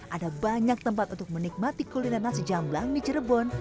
ada banyak tempat untuk menikmati kuliner nasi jamblang di cirebon